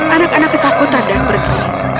anak anak ketakutan dan pergi